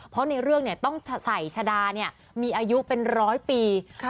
เพราะในเรื่องเนี้ยต้องใส่ชะดาเนี้ยมีอายุเป็นร้อยปีค่ะ